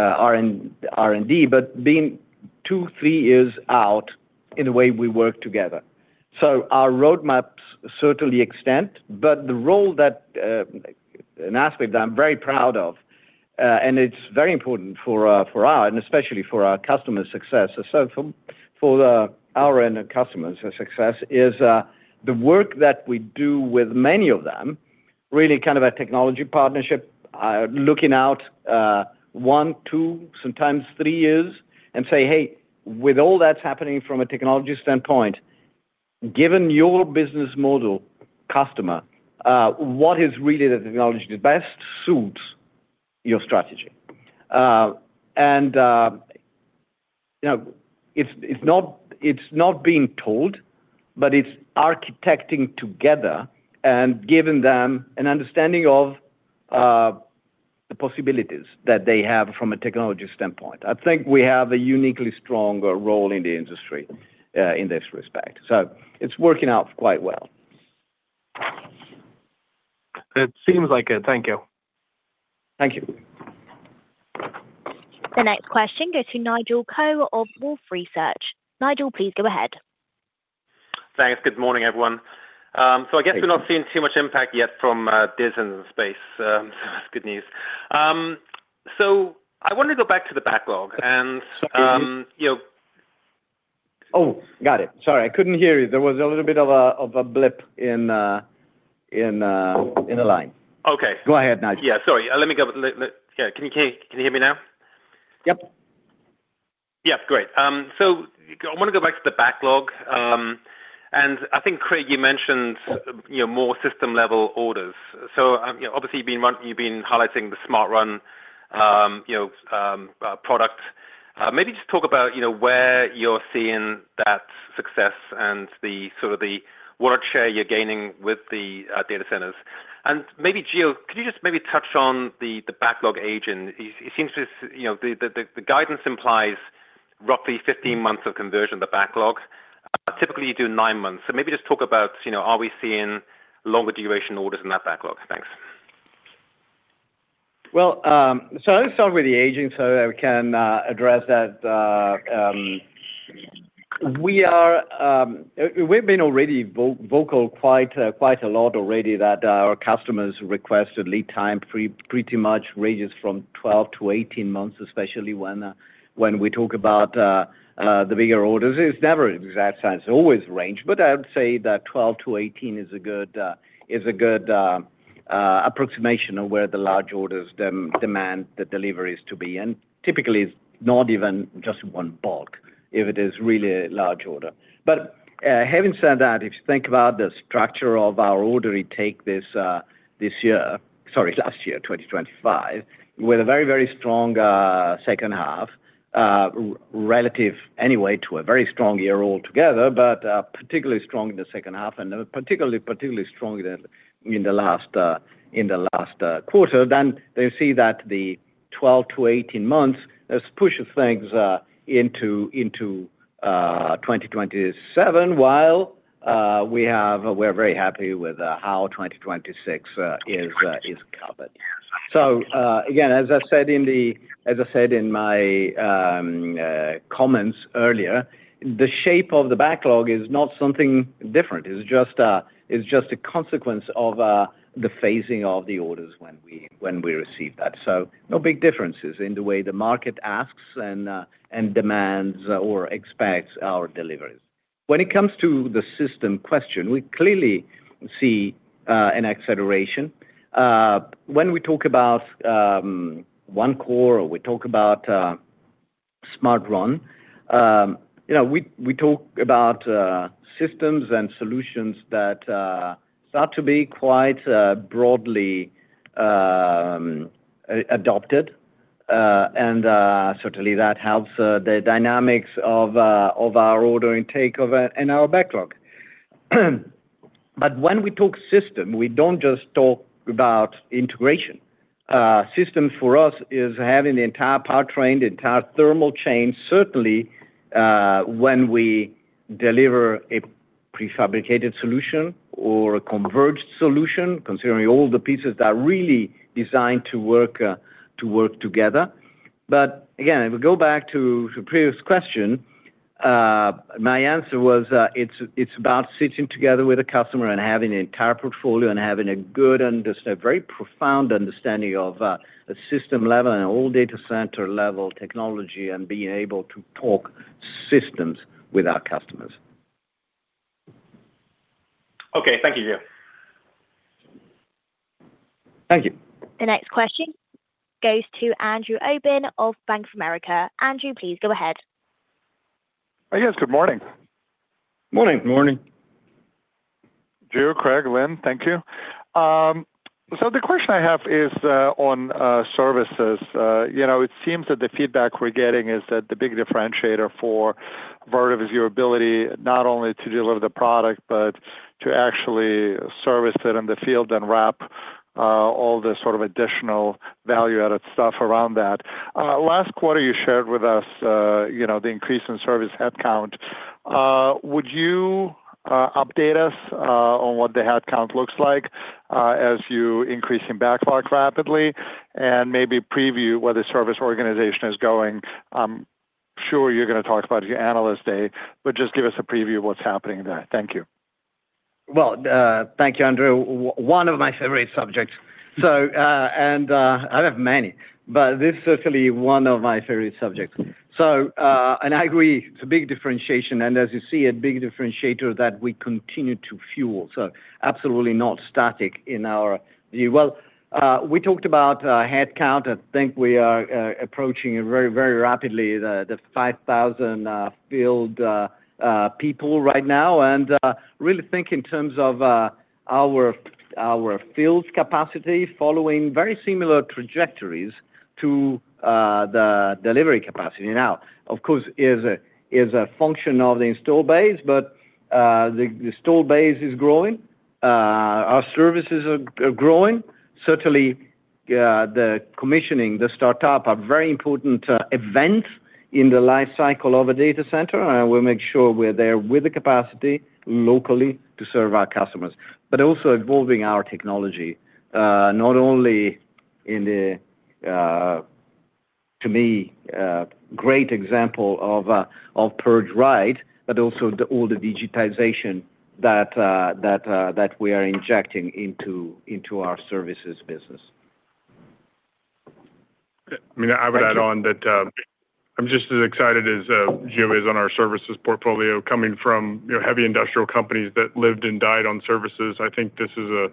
R&D, but being two, three years out in the way we work together. So our roadmaps certainly extend, but the role that and aspect that I'm very proud of, and it's very important for for our and especially for our customer success. So for the our end customers success is the work that we do with many of them, really kind of a technology partnership, looking out one, two, sometimes three years and say, "Hey, with all that's happening from a technology standpoint, given your business model customer, what is really the technology that best suits your strategy?" And you know, it's not, it's not being told, but it's architecting together and giving them an understanding of the possibilities that they have from a technology standpoint. I think we have a uniquely stronger role in the industry in this respect, so it's working out quite well. It seems like it. Thank you. Thank you. The next question goes to Nigel Coe of Wolfe Research. Nigel, please go ahead. Thanks. Good morning, everyone. So I guess we're not seeing too much impact yet from density in the space, so that's good news. So I want to go back to the backlog and, you- Oh, got it. Sorry, I couldn't hear you. There was a little bit of a blip in the line. Okay. Go ahead, Nigel. Yeah, sorry. Let me go. Yeah, can you hear me now? Yep. Yeah, great. So I wanna go back to the backlog. And I think, Craig, you mentioned, you know, more system-level orders. So, you know, obviously, you've been highlighting the SmartRow, you know, product. Maybe just talk about, you know, where you're seeing that success and the sort of work share you're gaining with the data centers. And maybe, Gio, could you just touch on the backlog aging? It seems to, you know, the guidance implies roughly 15 months of conversion of the backlog. Typically, you do nine months. So maybe just talk about, you know, are we seeing longer duration orders in that backlog? Thanks. Well, so let's start with the aging, so we can address that. We are, we've been already vocal quite a lot already that our customers requested lead time pretty much ranges from 12-18 months, especially when we talk about the bigger orders. It's never an exact science, always range, but I would say that 12-18 is a good, is a good approximation of where the large orders demand the deliveries to be. And typically, it's not even just one bulk if it is really a large order. But, having said that, if you think about the structure of our order, we take this, this year, sorry, last year, 2025, with a very, very strong second half, relative anyway to a very strong year all together, but, particularly strong in the second half, and particularly strong in the last quarter. Then you see that the 12-18 months pushes things into 2027, while we have... We're very happy with how 2026 is covered. So, again, as I said in my comments earlier, the shape of the backlog is not something different. It's just a consequence of the phasing of the orders when we receive that. So no big differences in the way the market asks and, and demands or expects our deliveries. When it comes to the system question, we clearly see an acceleration. When we talk about OneCore, or we talk about SmartRow. You know, we, we talk about systems and solutions that start to be quite broadly adopted. And certainly that helps the dynamics of of our order intake of and our backlog. But when we talk system, we don't just talk about integration. System for us is having the entire powertrain, the entire thermal chain, certainly when we deliver a prefabricated solution or a converged solution, considering all the pieces that are really designed to work to work together. But again, if we go back to the previous question, my answer was, it's, it's about sitting together with a customer and having an entire portfolio and having a very profound understanding of a system level and a whole data center level technology, and being able to talk systems with our customers. Okay, thank you, Gio. Thank you. The next question goes to Andrew Obin of Bank of America. Andrew, please go ahead. Hi, guys. Good morning. Morning. Morning. Gio, Craig, Lynn, thank you. So the question I have is on services. You know, it seems that the feedback we're getting is that the big differentiator for Vertiv is your ability not only to deliver the product, but to actually service it in the field and wrap all the sort of additional value-added stuff around that. Last quarter you shared with us, you know, the increase in service headcount. Would you update us on what the headcount looks like as you increase in backlog rapidly, and maybe preview where the service organization is going? I'm sure you're going to talk about it at your Analyst Day, but just give us a preview of what's happening in that. Thank you. Well, thank you, Andrew. One of my favorite subjects. So, I have many, but this is certainly one of my favorite subjects. So, I agree, it's a big differentiation, and as you see, a big differentiator that we continue to fuel. So absolutely not static in our view. Well, we talked about headcount. I think we are approaching it very, very rapidly, the 5,000 field people right now. And really think in terms of our field capacity following very similar trajectories to the delivery capacity. Now, of course, is a function of the install base, but the install base is growing. Our services are growing. Certainly, the commissioning, the start-up, are very important, event in the life cycle of a data center, and we make sure we're there with the capacity locally to serve our customers. But also evolving our technology, not only in a, to me, a great example of a, of PurgeRite, but also the, all the digitization that, that, that we are injecting into, into our services business. I mean, I would add on that, I'm just as excited as Gio is on our services portfolio, coming from, you know, heavy industrial companies that lived and died on services. I think this is a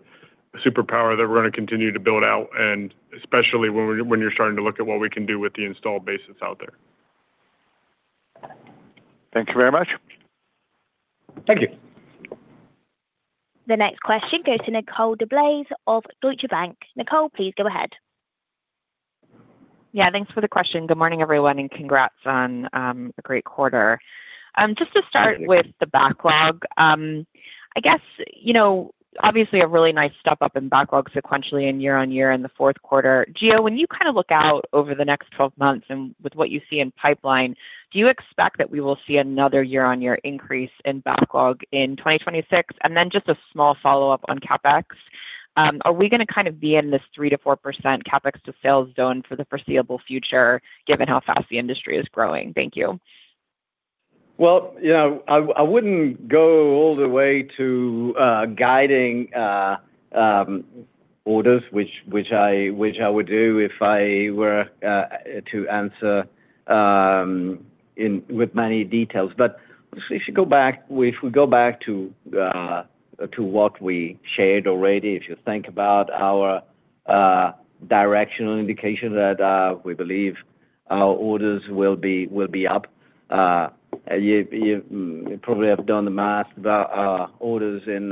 superpower that we're going to continue to build out, and especially when you're starting to look at what we can do with the installed base that's out there. Thank you very much. Thank you. The next question goes to Nicole DeBlase of Deutsche Bank. Nicole, please go ahead. Yeah, thanks for the question. Good morning, everyone, and congrats on a great quarter. Just to start with the backlog, I guess, you know, obviously a really nice step up in backlog sequentially and year-on-year in the fourth quarter. Gio, when you kind of look out over the next 12 months and with what you see in pipeline, do you expect that we will see another year-on-year increase in backlog in 2026? And then just a small follow-up on CapEx. Are we going to kind of be in this 3%-4% CapEx to sales zone for the foreseeable future, given how fast the industry is growing? Thank you. Well, you know, I wouldn't go all the way to guiding orders, which I would do if I were to answer in with many details. But if you go back, if we go back to what we shared already, if you think about our directional indication that we believe our orders will be up. You probably have done the math about our orders in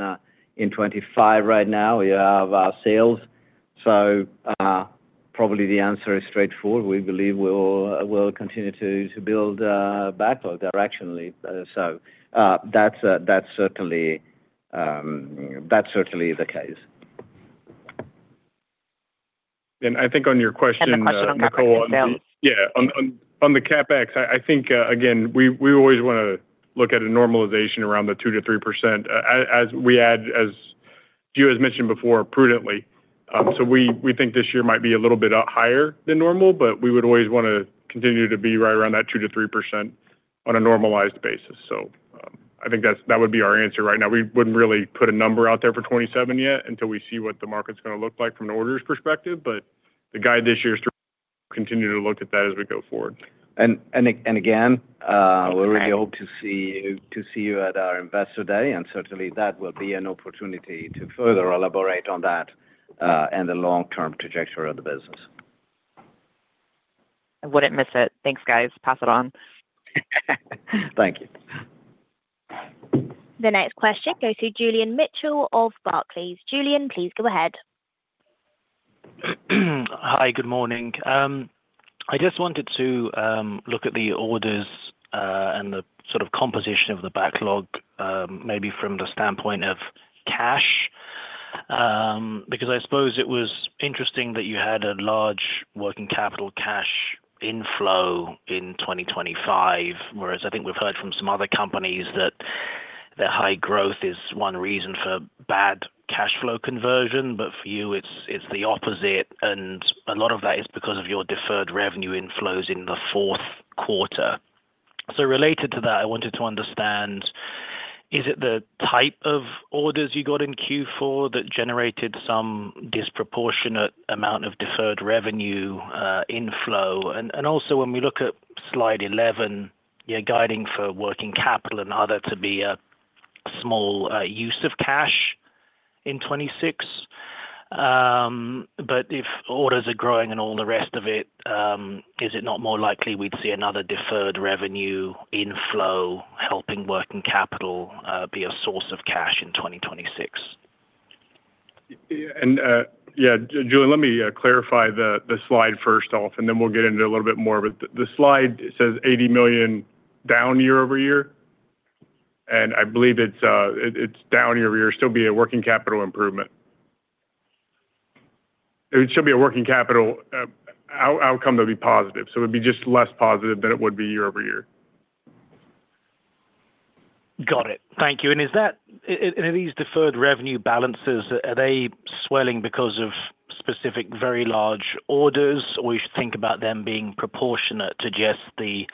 2025 right now, yeah, of our sales. So, probably the answer is straightforward. We believe we'll continue to build backlog directionally. So, that's certainly the case. I think on your question- The question on CapEx, yeah. Yeah, on the CapEx, I think, again, we always wanna look at a normalization around the 2%-3%, as we add, as Gio has mentioned before, prudently. So we think this year might be a little bit up higher than normal, but we would always wanna continue to be right around that 2%-3% on a normalized basis. So, I think that's, that would be our answer right now. We wouldn't really put a number out there for 2027 yet until we see what the market's going to look like from an orders perspective, but the guide this year is to continue to look at that as we go forward. Again, we really hope to see you at our Investor Day, and certainly that will be an opportunity to further elaborate on that, and the long-term trajectory of the business. I wouldn't miss it. Thanks, guys. Pass it on. Thank you. The next question goes to Julian Mitchell of Barclays. Julian, please go ahead. Hi, good morning. I just wanted to look at the orders and the sort of composition of the backlog, maybe from the standpoint of cash. Because I suppose it was interesting that you had a large working capital cash inflow in 2025, whereas I think we've heard from some other companies that their high growth is one reason for bad cash flow conversion, but for you, it's, it's the opposite, and a lot of that is because of your deferred revenue inflows in the fourth quarter. So related to that, I wanted to understand, is it the type of orders you got in Q4 that generated some disproportionate amount of deferred revenue inflow? And also, when we look at Slide 11, you're guiding for working capital and other to be a small use of cash in 2026. But if orders are growing and all the rest of it, is it not more likely we'd see another deferred revenue inflow, helping working capital, be a source of cash in 2026? Yeah, Julian, let me clarify the slide first off, and then we'll get into a little bit more of it. The slide says $80 million down year-over-year, and I believe it's down year-over-year, still be a working capital improvement. It should be a working capital outcome to be positive, so it'd be just less positive than it would be year-over-year. Got it. Thank you. And are these deferred revenue balances, are they swelling because of specific, very large orders, or we should think about them being proportionate to just the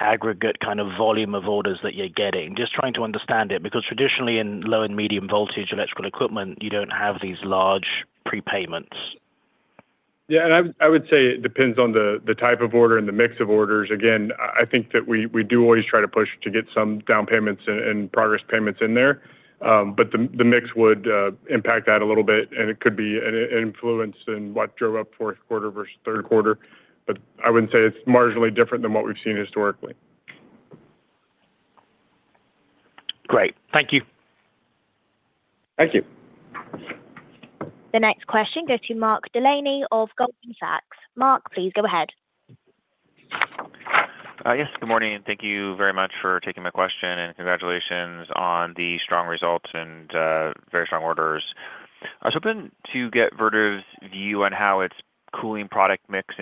aggregate kind of volume of orders that you're getting? Just trying to understand it, because traditionally in low and medium voltage electrical equipment, you don't have these large prepayments. Yeah, and I would say it depends on the type of order and the mix of orders. Again, I think that we do always try to push to get some down payments and progress payments in there. But the mix would impact that a little bit, and it could be an influence in what drove up fourth quarter versus third quarter. But I wouldn't say it's marginally different than what we've seen historically. Great. Thank you. Thank you. The next question goes to Mark Delaney of Goldman Sachs. Mark, please go ahead. Yes, good morning, and thank you very much for taking my question, and congratulations on the strong results and very strong orders. I was hoping to get Vertiv's view on how its cooling product mix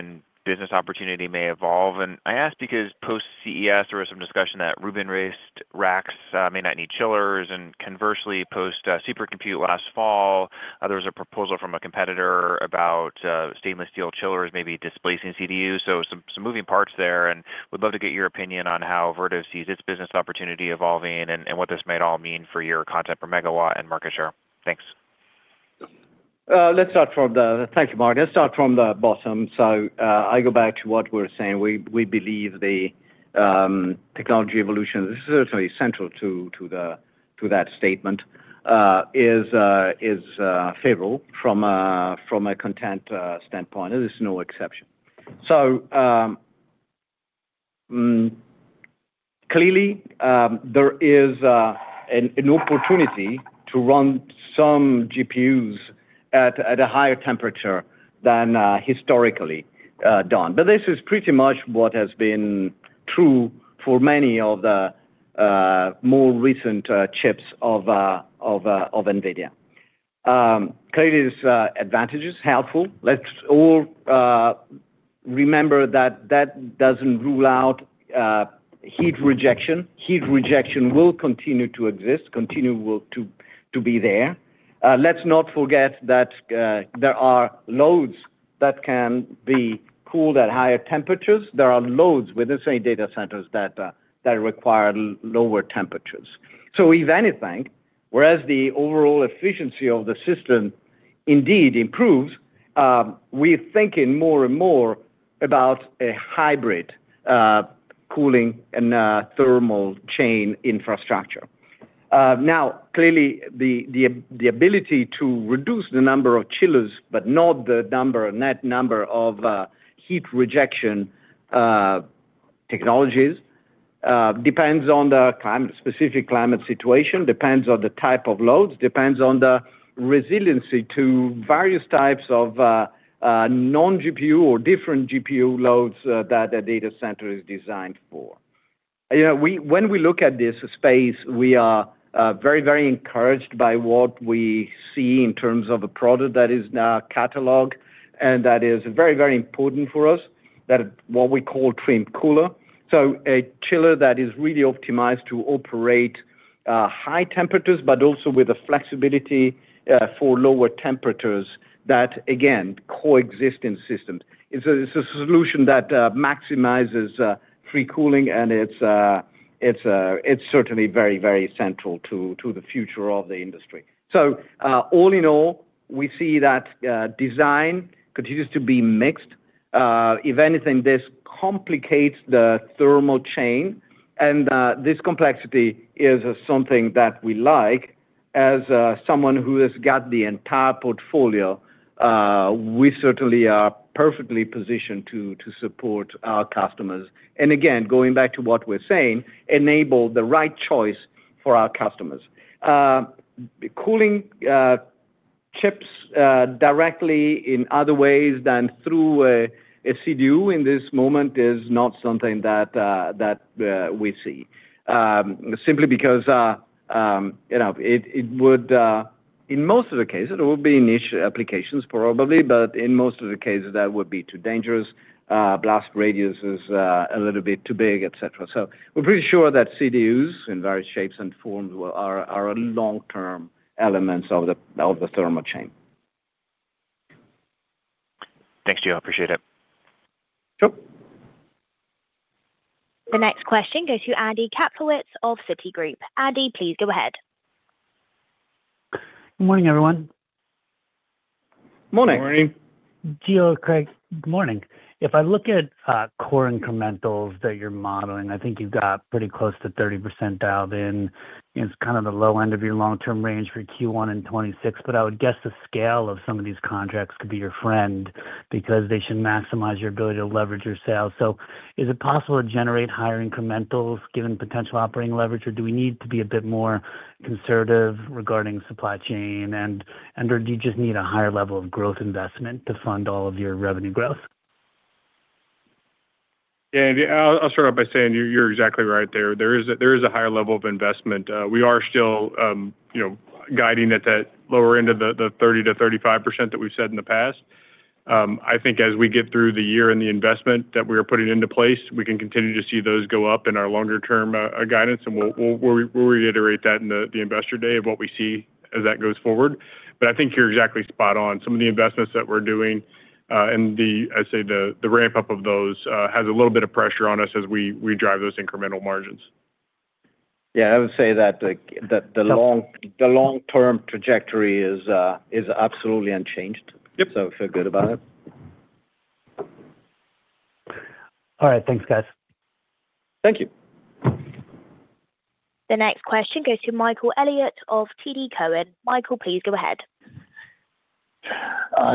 and business opportunity may evolve. I ask because post-CES, there was some discussion that Rubin-based racks may not need chillers, and conversely, post Supercomputing last fall, there was a proposal from a competitor about stainless steel chillers maybe displacing CDU. So some moving parts there, and would love to get your opinion on how Vertiv sees its business opportunity evolving and what this might all mean for your content per megawatt and market share. Thanks. Thank you, Mark. Let's start from the bottom. So, I go back to what we're saying. We believe the technology evolution, this is certainly central to that statement, is favorable from a content standpoint. This is no exception. So, clearly, there is an opportunity to run some GPUs at a higher temperature than historically done. But this is pretty much what has been true for many of the more recent chips of NVIDIA. Clearly, this advantage is helpful. Let's all remember that that doesn't rule out heat rejection. Heat rejection will continue to exist, continue to be there. Let's not forget that there are loads that can be cooled at higher temperatures. There are loads within, say, data centers that require lower temperatures. So if anything, whereas the overall efficiency of the system indeed improves, we're thinking more and more about a hybrid cooling and a thermal chain infrastructure. Now, clearly, the ability to reduce the number of chillers, but not the net number of heat rejection technologies, depends on the specific climate situation, depends on the type of loads, depends on the resiliency to various types of non-GPU or different GPU loads that a data center is designed for. You know, when we look at this space, we are very, very encouraged by what we see in terms of a product that is now cataloged, and that is very, very important for us, that what we call trimmed cooler. So a chiller that is really optimized to operate high temperatures, but also with the flexibility for lower temperatures, that, again, coexist in systems. It's a solution that maximizes free cooling, and it's certainly very, very central to the future of the industry. So, all in all, we see that design continues to be mixed. If anything, this complicates the thermal chain, and this complexity is something that we like as someone who has got the entire portfolio, we certainly are perfectly positioned to support our customers. And again, going back to what we're saying, enable the right choice for our customers. Cooling chips directly in other ways than through a CDU in this moment is not something that we see. Simply because, you know, it would, in most of the cases, it will be niche applications, probably, but in most of the cases, that would be too dangerous. Blast radius is a little bit too big, et cetera. So we're pretty sure that CDUs in various shapes and forms are a long-term elements of the thermal chain. Thanks, Gio. I appreciate it. Sure. The next question goes to Andy Kaplowitz of Citigroup. Andy, please go ahead. Good morning, everyone. Morning. Morning. Gio, Craig, good morning. If I look at core incrementals that you're modeling, I think you've got pretty close to 30% dialed in. It's kind of the low end of your long-term range for Q1 in 2026, but I would guess the scale of some of these contracts could be your friend because they should maximize your ability to leverage your sales. So is it possible to generate higher incrementals, given potential operating leverage, or do we need to be a bit more conservative regarding supply chain? And or do you just need a higher level of growth investment to fund all of your revenue growth? Yeah, Andy, I'll start off by saying you're exactly right there. There is a higher level of investment. We are still, you know, guiding at that lower end of the 30%-35% that we've said in the past. I think as we get through the year and the investment that we are putting into place, we can continue to see those go up in our longer term, guidance, and we'll reiterate that in the Investor Day of what we see as that goes forward. But I think you're exactly spot on. Some of the investments that we're doing, and the, I'd say the ramp-up of those, has a little bit of pressure on us as we drive those incremental margins. Yeah, I would say that the long the long-term trajectory is absolutely unchanged. Yep. Feel good about it. All right. Thanks, guys. Thank you. The next question goes to Michael Elias of TD Cowen. Michael, please go ahead.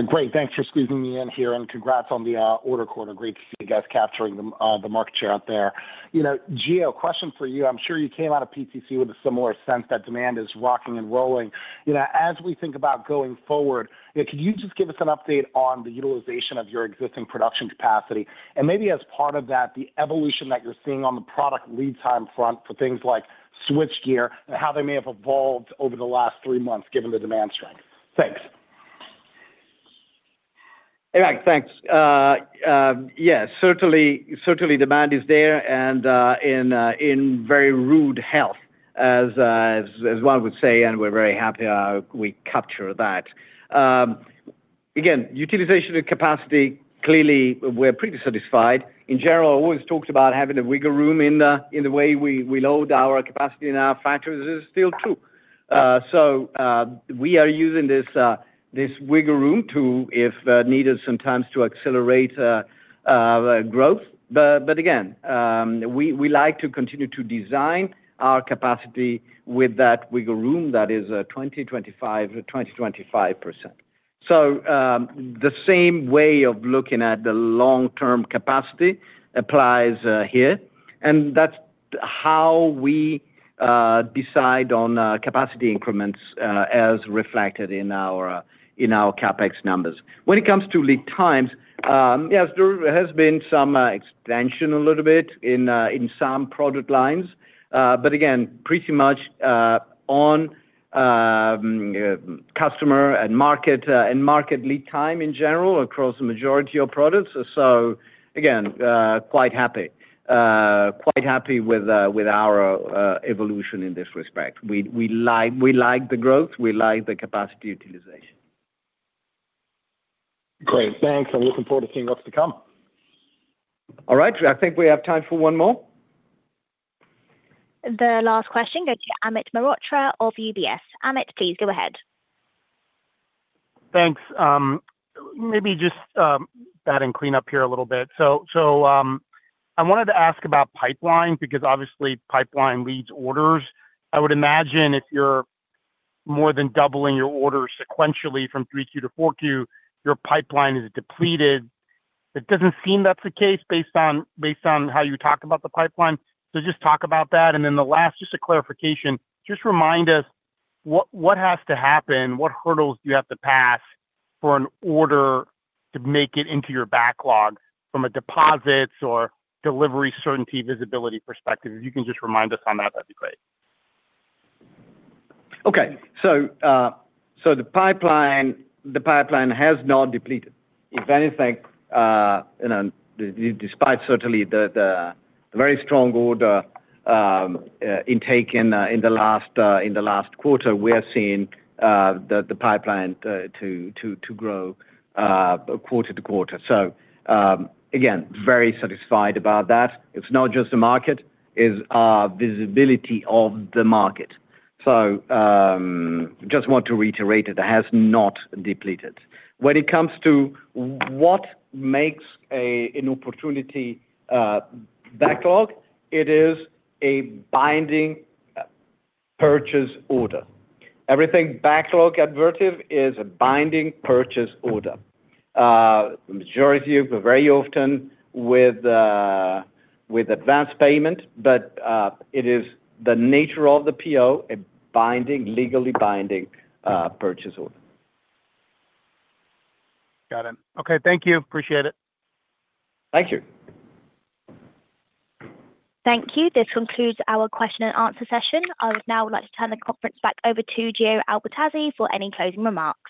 Great. Thanks for squeezing me in here, and congrats on the order quarter. Great to see you guys capturing the market share out there. You know, Gio, question for you. I'm sure you came out of PTC with a similar sense that demand is rocking and rolling. You know, as we think about going forward, could you just give us an update on the utilization of your existing production capacity? And maybe as part of that, the evolution that you're seeing on the product lead time front for things like switchgear and how they may have evolved over the last three months, given the demand strength. Thanks. Hey, Mike. Thanks. Yes, certainly, certainly demand is there and in very rude health, as one would say, and we're very happy we capture that. Again, utilization of capacity, clearly, we're pretty satisfied. In general, I always talked about having a wiggle room in the way we load our capacity in our factories. This is still true. We are using this wiggle room to, if needed sometimes to accelerate growth. But again, we like to continue to design our capacity with that wiggle room that is 20%-25%. So, the same way of looking at the long-term capacity applies here, and that's how we decide on capacity increments as reflected in our in our CapEx numbers. When it comes to lead times, yes, there has been some expansion a little bit in in some product lines, but again, pretty much on customer and market and market lead time in general across the majority of products. So again, quite happy, quite happy with with our evolution in this respect. We we like, we like the growth, we like the capacity utilization. Great, thanks. I'm looking forward to seeing what's to come. All right. I think we have time for one more. The last question goes to Amit Mehrotra of UBS. Amit, please go ahead. Thanks. Maybe just that and clean up here a little bit. I wanted to ask about pipeline, because obviously pipeline leads orders. I would imagine if you're more than doubling your orders sequentially from 3Q to 4Q, your pipeline is depleted. It doesn't seem that's the case based on how you talk about the pipeline. So just talk about that. And then the last, just a clarification, just remind us what has to happen, what hurdles do you have to pass for an order to make it into your backlog from a deposits or delivery certainty, visibility perspective? If you can just remind us on that, that'd be great. Okay. So, the pipeline has not depleted. If anything, you know, despite certainly the very strong order intake in the last quarter, we have seen the pipeline to grow quarter to quarter. So, again, very satisfied about that. It's not just the market, it's our visibility of the market. So, just want to reiterate it, it has not depleted. When it comes to what makes an opportunity backlog, it is a binding purchase order. Everything backlog at Vertiv is a binding purchase order. The majority of very often with advanced payment, but it is the nature of the PO, a binding, legally binding purchase order. Got it. Okay, thank you. Appreciate it. Thank you. Thank you. This concludes our question and answer session. I would now like to turn the conference back over to Gio Albertazzi for any closing remarks.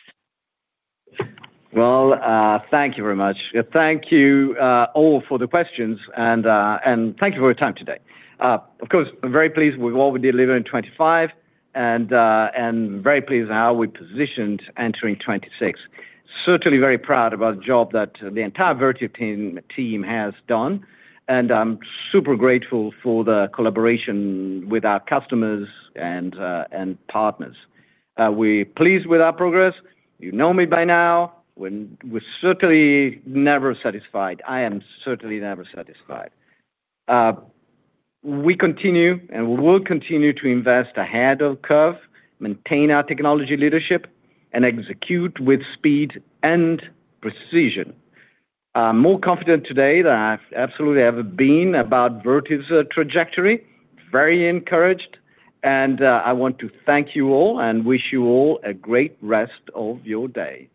Well, thank you very much. Thank you, all for the questions and, and thank you for your time today. Of course, I'm very pleased with what we delivered in 2025 and, and very pleased with how we positioned entering 2026. Certainly very proud about the job that the entire Vertiv team has done, and I'm super grateful for the collaboration with our customers and, and partners. We're pleased with our progress. You know me by now, when we're certainly never satisfied. I am certainly never satisfied. We continue and we will continue to invest ahead of curve, maintain our technology leadership, and execute with speed and precision. I'm more confident today than I've absolutely ever been about Vertiv's trajectory. Very encouraged, and, I want to thank you all and wish you all a great rest of your day.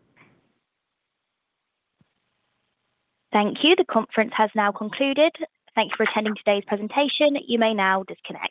Thank you. The conference has now concluded. Thank you for attending today's presentation. You may now disconnect.